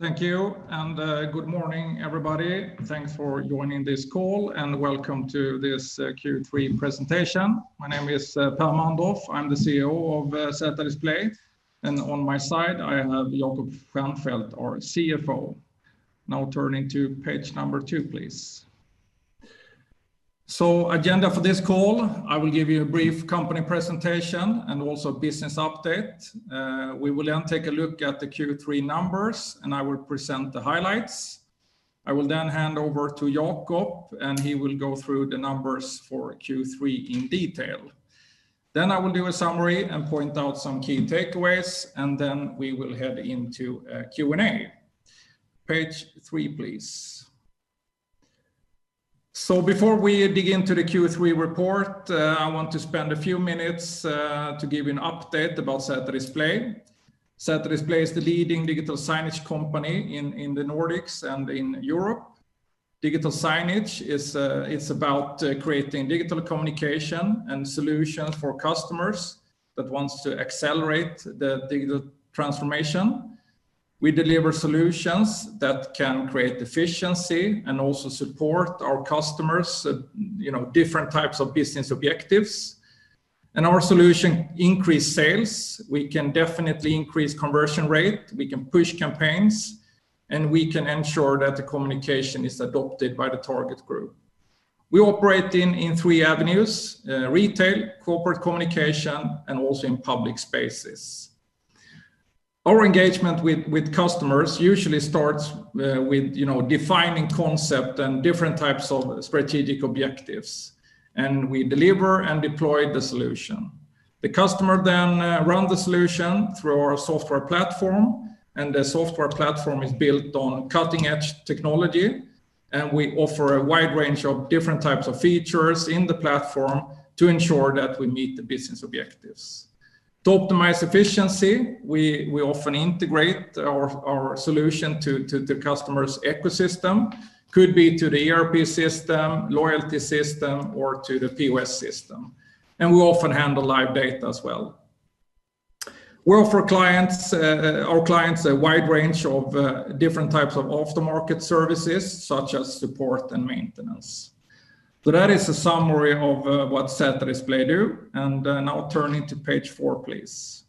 Thank you, and good morning, everybody. Thanks for joining this call, and welcome to this Q3 presentation. My name is Per Mandorf. I'm the CEO of ZetaDisplay, and on my side, I have Jacob Stjernfält, our CFO. Turning to page number two, please. Agenda for this call, I will give you a brief company presentation and also business update. We will take a look at the Q3 numbers, and I will present the highlights. I will hand over to Jacob, and he will go through the numbers for Q3 in detail, then I will do a summary and point out some key takeaways, and we will head into Q&A. Page three, please. Before we begin to the Q3 report, I want to spend a few minutes to give you an update about ZetaDisplay. ZetaDisplay is the leading digital signage company in the Nordics and in Europe. Digital signage, it's about creating digital communication and solutions for customers that want to accelerate the digital transformation. We deliver solutions that can create efficiency and also support our customers, you know, different types of business objectives. Our solution increase sales. We can definitely increase conversion rate. We can push campaigns, and we can ensure that the communication is adopted by the target group. We operate in three avenues, retail, corporate communication, and also in public spaces. Our engagement with customers usually starts with, you know, defining concept and different types of strategic objectives, and we deliver and deploy the solution. The customer then run the solution through our software platform, and the software platform is built on cutting-edge technology. We offer a wide range of different types of features in the platform to ensure that we meet the business objectives. To optimize efficiency, we often integrate our solution to the customer's ecosystem. Could be to the ERP system, loyalty system, or to the POS system, and we often handle live data as well. We offer our clients a wide range of different types of aftermarket services, such as support and maintenance, so that is a summary of what ZetaDisplay do, and now turning to page four, please.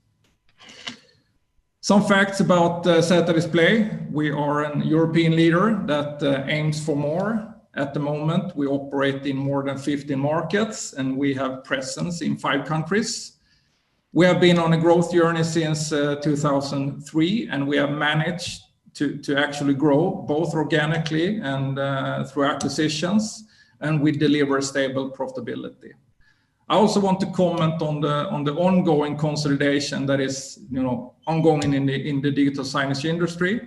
Some facts about ZetaDisplay. We are an European leader that aims for more. At the moment, we operate in more than 50 markets, and we have presence in five countries. We have been on a growth journey since 2003, and we have managed to actually grow both organically and through acquisitions, and we deliver stable profitability. I also want to comment on the ongoing consolidation that is, you know, ongoing in the digital signage industry.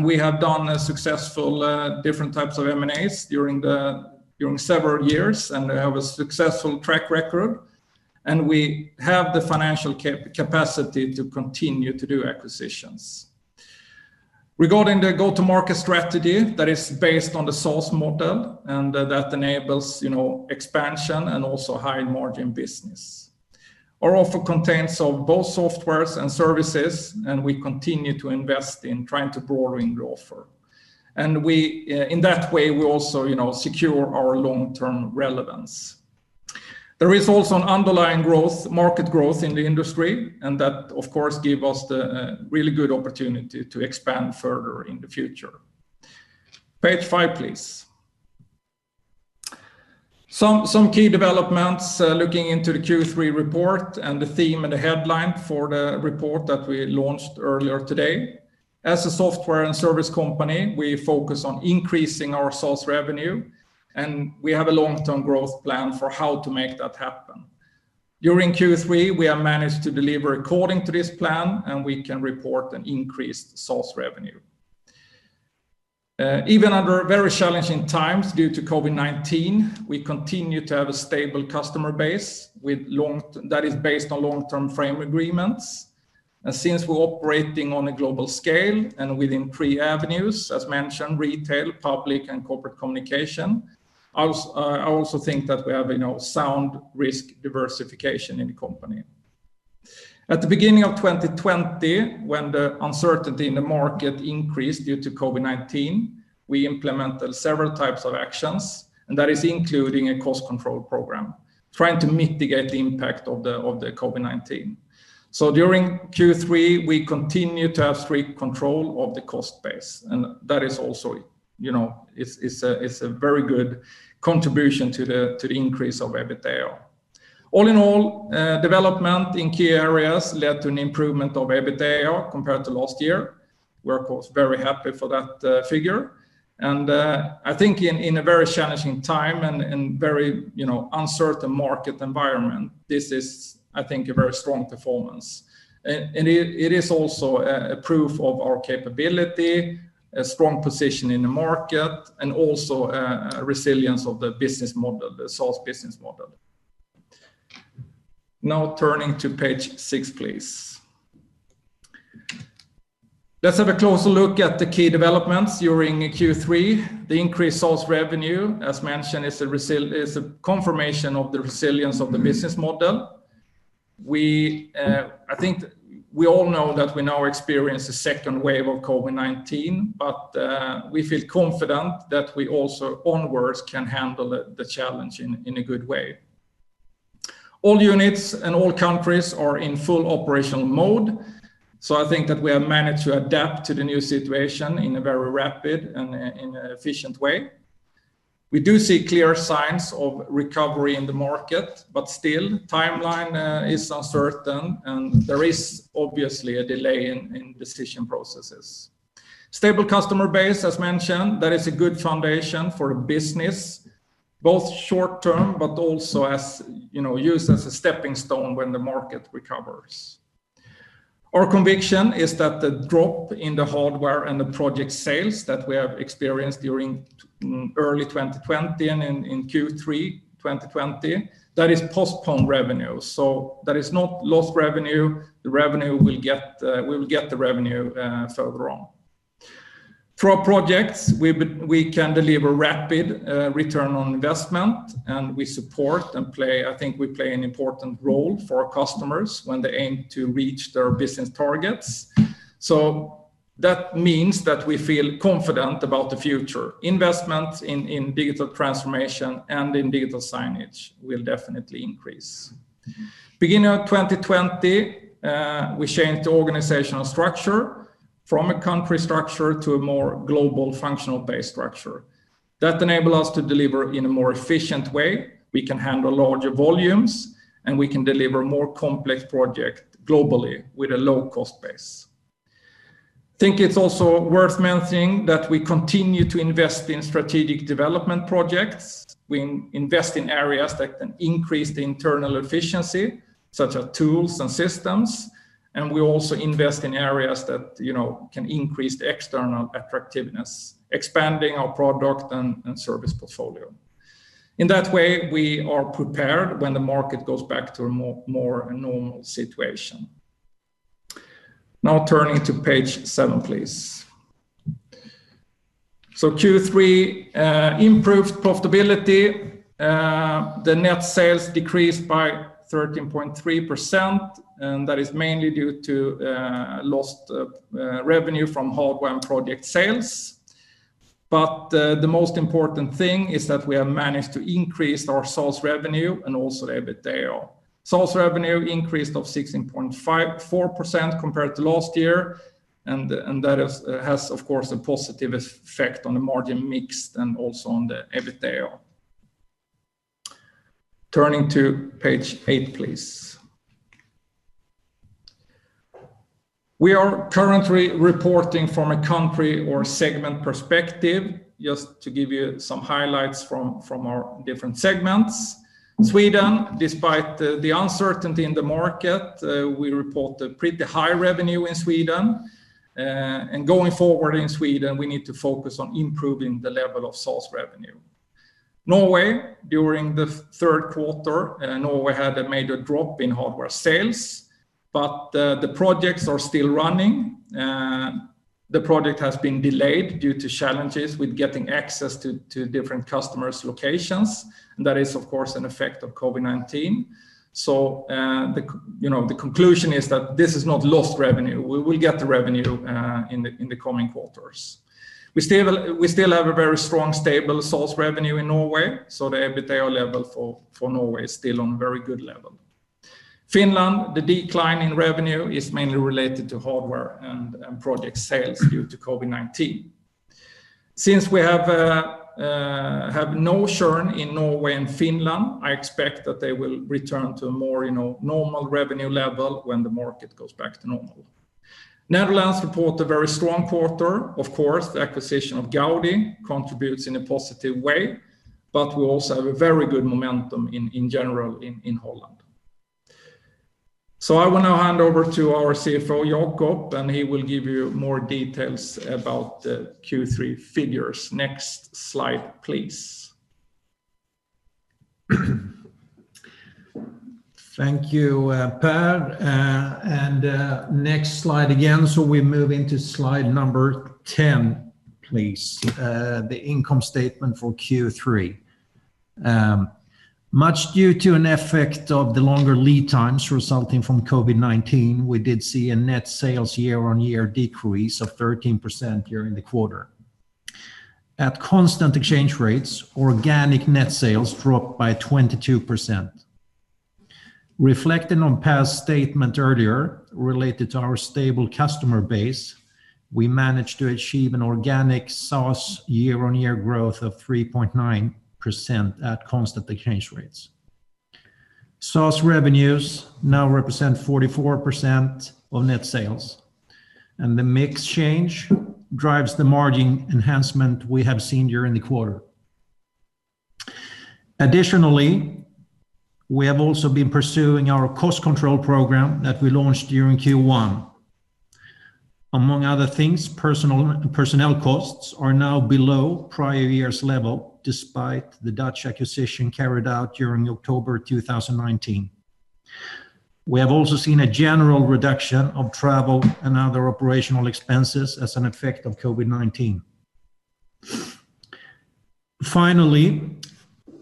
We have done a successful different types of M&As during several years and have a successful track record. We have the financial capacity to continue to do acquisitions. Regarding the go-to-market strategy that is based on the SaaS model and that enables, you know, expansion and also high-margin business. Our offer contains of both softwares and services, and we continue to invest in trying to broaden the offer. In that way, we also secure our long-term relevance. There is also an underlying market growth in the industry, and that, of course, give us the really good opportunity to expand further in the future. Page five, please. Some key developments looking into the Q3 report and the theme and the headline for the report that we launched earlier today. As a software and service company, we focus on increasing our SaaS revenue, and we have a long-term growth plan for how to make that happen. During Q3, we have managed to deliver according to this plan, and we can report an increased SaaS revenue. Even under very challenging times due to COVID-19, we continue to have a stable customer base that is based on long-term frame agreements. Since we're operating on a global scale and within three avenues, as mentioned, retail, public and corporate communication, I also think that we have a sound risk diversification in the company. At the beginning of 2020, when the uncertainty in the market increased due to COVID-19, we implemented several types of actions, and that is including a cost control program trying to mitigate the impact of the COVID-19. During Q3, we continue to have strict control of the cost base, and that is also, you know, it's a very good contribution to the increase of EBITDA. All in all, development in key areas led to an improvement of EBITDA compared to last year. We're, of course, very happy for that figure. I think in a very challenging time and very, you know, uncertain market environment, this is, I think, a very strong performance. It is also a proof of our capability, a strong position in the market, and also a resilience of the business model, the SaaS business model. Now turning to page six, please. Let's have a closer look at the key developments during Q3. The increased SaaS revenue, as mentioned, is a confirmation of the resilience of the business model. I think we all know that we now experience a second wave of COVID-19, but we feel confident that we also onwards can handle the challenge in a good way. All units in all countries are in full operational mode. I think that we have managed to adapt to the new situation in a very rapid and in an efficient way. We do see clear signs of recovery in the market, but still timeline is uncertain, and there is, obviously, a delay in decision processes. Stable customer base as mentioned, that is a good foundation for a business, both short term, but also used as a stepping stone when the market recovers. Our conviction is that the drop in the hardware and the project sales that we have experienced during early 2020 and in Q3 2020, that is postponed revenue. That is not lost revenue. We will get the revenue further on. For our projects, we can deliver rapid return on investment, and we support and play, I think, we play an important role for our customers when they aim to reach their business targets. That means that we feel confident about the future. Investment in digital transformation and in digital signage will definitely increase. Beginning of 2020, we changed the organizational structure from a country structure to a more global functional-based structure. That enable us to deliver in a more efficient way. We can handle larger volumes, and we can deliver more complex project globally with a low cost base. I think it's also worth mentioning that we continue to invest in strategic development projects. We invest in areas that can increase the internal efficiency, such as tools and systems, and we also invest in areas that, you know, can increase the external attractiveness, expanding our product and service portfolio. In that way, we are prepared when the market goes back to a more normal situation. Now turning to page seven, please. Q3, improved profitability. The net sales decreased by 13.3% and that is mainly due to lost revenue from hardware and project sales. The most important thing is that we have managed to increase our SaaS revenue and also EBITDA. SaaS revenue increased of 16.4% compared to last year. That has, of course, a positive effect on the margin mix and also on the EBITDA. Turning to page eight, please. We are currently reporting from a country or segment perspective, just to give you some highlights from our different segments. Sweden, despite the uncertainty in the market, we report a pretty high revenue in Sweden. Going forward in Sweden, we need to focus on improving the level of SaaS revenue. Norway, during the third quarter, Norway had a major drop in hardware sales, the projects are still running. The project has been delayed due to challenges with getting access to different customers' locations, and that is, of course, an effect of COVID-19. The conclusion is that this is not lost revenue. We will get the revenue in the coming quarters. We still have a very strong, stable SaaS revenue in Norway, the EBITDA level for Norway is still on very good level. Finland, the decline in revenue is mainly related to hardware and project sales due to COVID-19. We have no churn in Norway and Finland, I expect that they will return to a more normal revenue level when the market goes back to normal. Netherlands report a very strong quarter, of course, the acquisition of Gauddi contributes in a positive way, but we also have a very good momentum in general in Holland. I will now hand over to our CFO, Jacob, and he will give you more details about the Q3 figures. Next slide, please. Thank you, Per, and next slide again, so we move into slide 10, please, the income statement for Q3. Much due to an effect of the longer lead times resulting from COVID-19, we did see a net sales year-on-year decrease of 13% during the quarter. At constant exchange rates, organic net sales dropped by 22%. Reflecting on Per's statement earlier related to our stable customer base, we managed to achieve an organic SaaS year-on-year growth of 3.9% at constant exchange rates. SaaS revenues now represent 44% of net sales and the mix change drives the margin enhancement we have seen during the quarter. Additionally, we have also been pursuing our cost control program that we launched during Q1. Among other things, personnel costs are now below prior year's level, despite the Dutch acquisition carried out during October 2019. We have also seen a general reduction of travel and other operational expenses as an effect of COVID-19. Finally,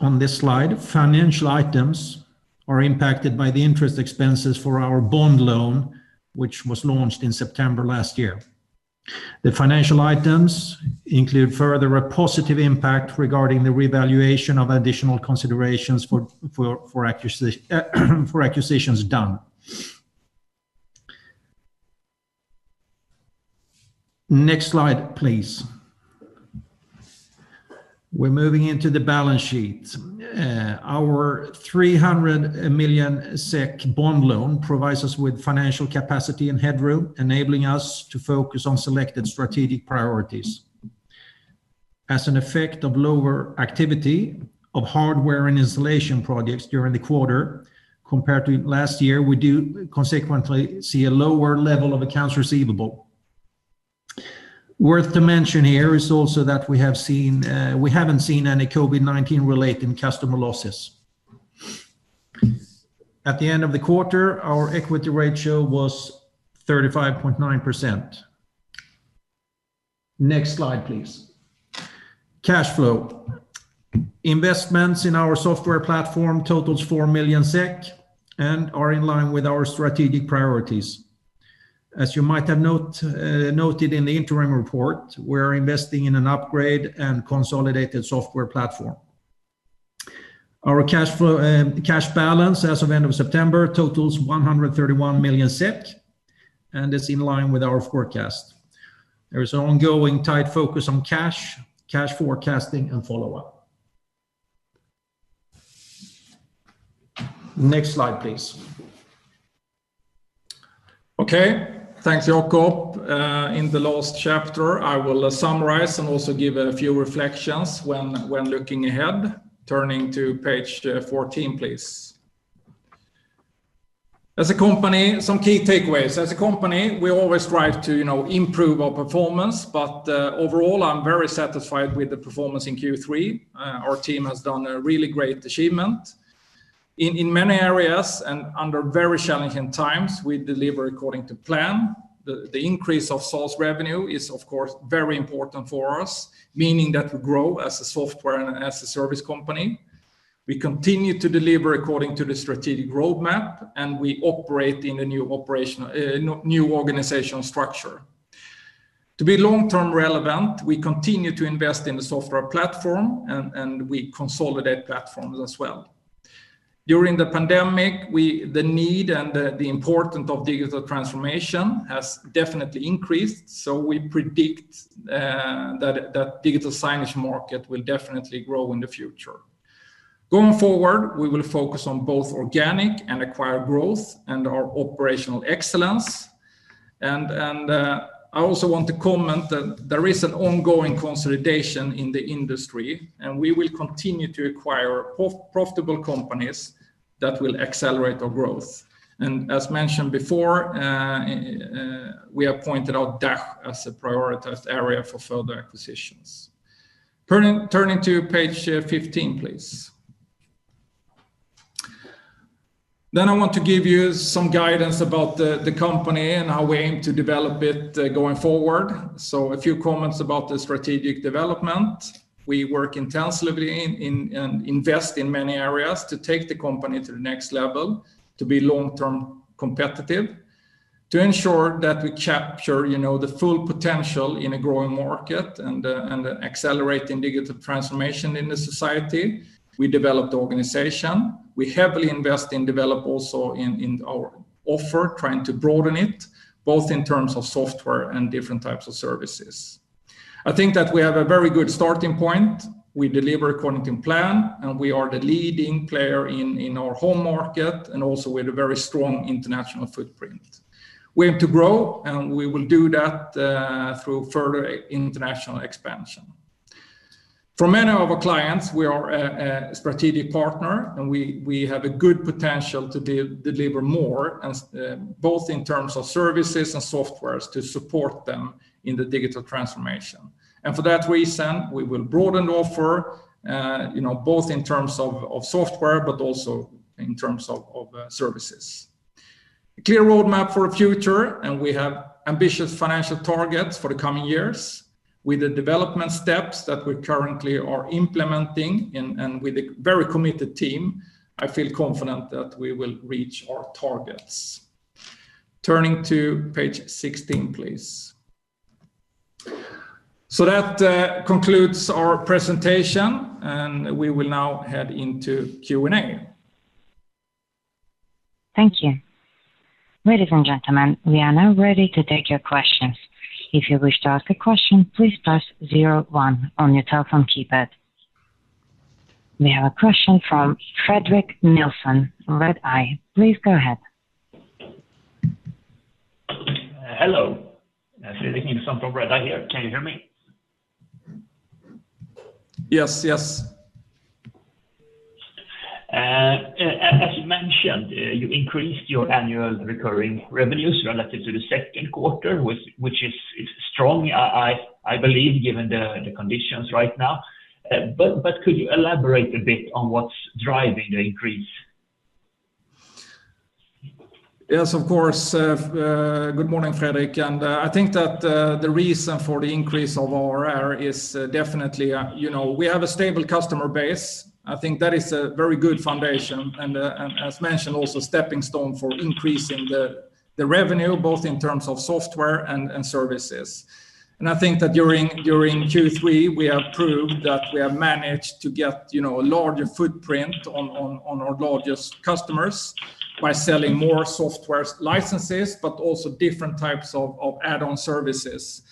on this slide, financial items are impacted by the interest expenses for our bond loan, which was launched in September last year. The financial items include further a positive impact regarding the revaluation of additional considerations for acquisitions done. Next slide, please, we're moving into the balance sheet. Our 300 million SEK bond loan provides us with financial capacity and headroom, enabling us to focus on selected strategic priorities. As an effect of lower activity of hardware and installation projects during the quarter compared to last year, we do consequently see a lower level of accounts receivable. Worth to mention here is also that we haven't seen any COVID-19 related customer losses. At the end of the quarter, our equity ratio was 35.9%. Next slide, please, cash flow. Investments in our software platform totals 4 million SEK and are in line with our strategic priorities. As you might have noted in the interim report, we're investing in an upgrade and consolidated software platform. Our cash balance as of end of September totals 131 million SEK and is in line with our forecast. There is ongoing tight focus on cash, cash forecasting, and follow-up. Next slide, please. Okay, thanks, Jacob. In the last chapter, I will summarize and also give a few reflections when looking ahead. Turning to page 14, please, some key takeaways, as a company, we always try to now improve our performance. Overall, I'm very satisfied with the performance in Q3. Our team has done a really great achievement. In many areas and under very challenging times, we deliver according to plan. The increase of Saas revenue is, of course, very important for us, meaning that we grow as a software and as a service company. We continue to deliver according to the strategic roadmap and we operate in a new organizational structure. To be long-term relevant, we continue to invest in the software platform, and we consolidate platforms as well. During the pandemic, the need and the importance of digital transformation has definitely increased, so we predict that digital signage market will definitely grow in the future. Going forward, we will focus on both organic and acquired growth and our operational excellence. I also want to comment that there is an ongoing consolidation in the industry, and we will continue to acquire profitable companies that will accelerate our growth. As mentioned before, we have pointed out DACH as a prioritized area for further acquisitions. Turning to page 15, please. I want to give you some guidance about the company and how we aim to develop it going forward, so a few comments about the strategic development. We work intensively and invest in many areas to take the company to the next level, to be long-term competitive, to ensure that we capture, you know, the full potential in a growing market and accelerating digital transformation in the society. We developed the organization. We heavily invest in develop also in our offer, trying to broaden it, both in terms of software and different types of services. I think that we have a very good starting point. We deliver according to plan, and we are the leading player in our home market, and also with a very strong international footprint. We aim to grow, and we will do that through further international expansion. For many of our clients, we are a strategic partner, and we have a good potential to deliver more, both in terms of services and software to support them in the digital transformation. For that reason, we will broaden offer both in terms of software, but also in terms of services. A clear roadmap for the future, we have ambitious financial targets for the coming years. With the development steps that we currently are implementing and with a very committed team, I feel confident that we will reach our targets. Turning to page sixteen, please. That concludes our presentation and we will now head into Q&A. Thank you. Ladies and gentlemen, we are now ready to take your questions. If you wish to ask a question, please press zero one on your telephone keypad. We have a question from Fredrik Nilsson from Redeye. Please go ahead. Hello. Fredrik Nilsson from Redeye here. Can you hear me? Yes. Yes. As you mentioned, you increased your annual recurring revenues relative to the second quarter, which is strong, I believe, given the conditions right now, could you elaborate a bit on what's driving the increase? Yes, of course. Good morning, Fredrik. The reason for the increase of our ARR is, definitely, you know, we have a stable customer base. That is a very good foundation and, as mentioned, also a stepping stone for increasing the revenue, both in terms of software and services, and I think during Q3, we have proved that we have managed to get, you know, a larger footprint on our largest customers by selling more software licenses, but also different types of add-on services.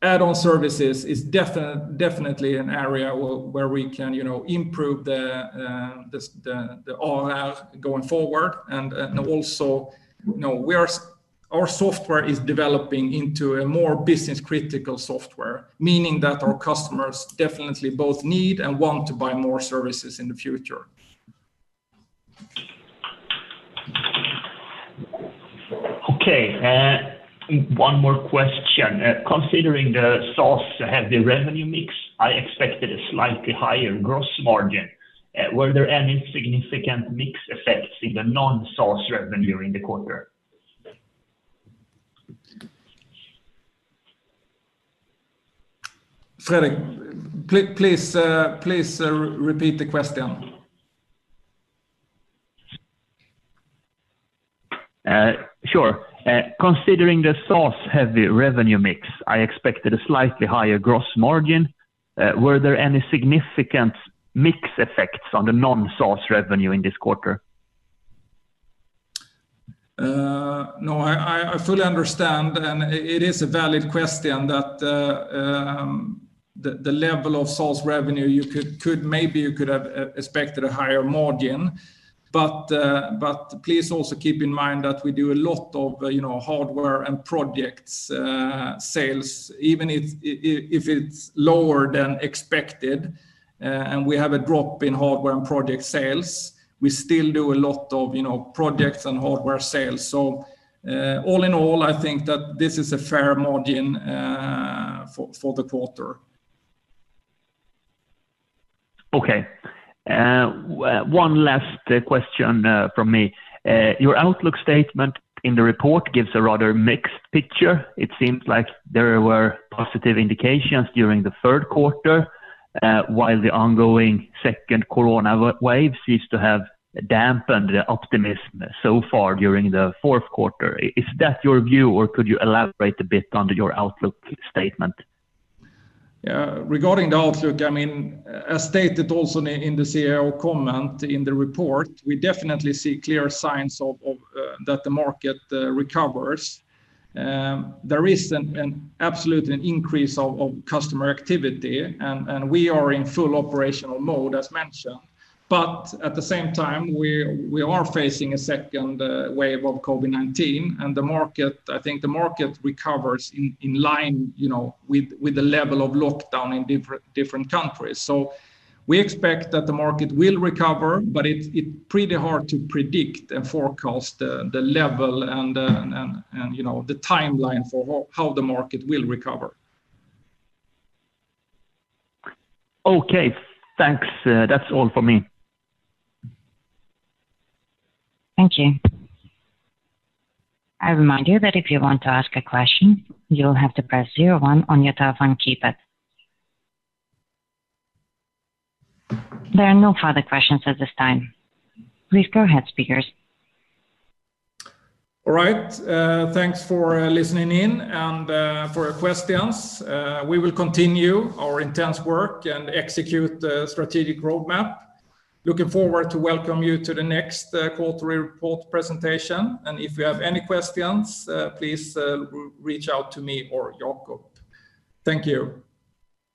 Add-on services is definitely an area where we can improve the ARR going forward. Also, you know, our software is developing into a more business-critical software, meaning that our customers definitely both need and want to buy more services in the future. Okay, one more question. Considering the SaaS heavy revenue mix, I expected a slightly higher gross margin. Were there any significant mix effects in the non-SaaS revenue during the quarter? Fredrik, please repeat the question? Sure. Considering the SaaS heavy revenue mix, I expected a slightly higher gross margin. Were there any significant mix effects on the non-SaaS revenue in this quarter? No, I fully understand, and it is a valid question that the level of SaaS revenue, maybe you could have expected a higher margin. Please also keep in mind that we do a lot of hardware and project sales, even if it's lower than expected, and we have a drop in hardware and project sales. We still do a lot of projects and hardware sales. All in all, I think that this is a fair margin for the quarter. Okay, one last question from me. Your outlook statement in the report gives a rather mixed picture. It seems like there were positive indications during the third quarter, while the ongoing second Corona wave seems to have dampened the optimism so far during the fourth quarter. Is that your view or could you elaborate a bit on your outlook statement? Regarding the outlook, as stated also in the CEO comment in the report, we definitely see clear signs that the market recovers. There is absolutely an increase of customer activity, and we are in full operational mode, as mentioned. At the same time, we are facing a second wave of COVID-19, and I think the market recovers in line, you know, with the level of lockdown in different countries. We expect that the market will recover, but it's pretty hard to predict and forecast the level and, you know, the timeline for how the market will recover. Okay, thanks, that's all for me. Thank you. I remind you that if you want to ask a question, you'll have to press zero one on your telephone keypad. There are no further questions at this time. Please go ahead, speakers. All right. Thanks for listening in and for your questions. We will continue our intense work and execute the strategic roadmap. Looking forward to welcoming you to the next quarterly report presentation. If you have any questions, please reach out to me or Jacob. Thank you.